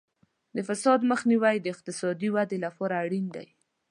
د فساد مخنیوی د اقتصادي ودې لپاره اړین دی.